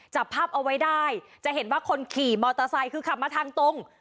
จับภาพเอาไว้ได้จะเห็นว่าคนขี่มอเตอร์ไซค์คือขับมาทางตรง